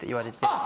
あっ！